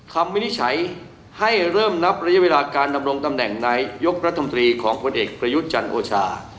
วินิจฉัยให้เริ่มนับระยะเวลาการดำรงตำแหน่งนายยกรัฐมนตรีของผลเอกประยุทธ์จันทร์โอชา